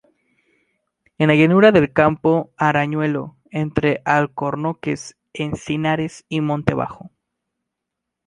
En la llanura del Campo Arañuelo, entre alcornoques, encinares y monte bajo.